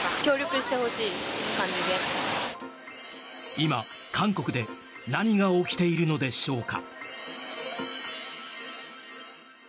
今、韓国で何が起きているのでしょうか。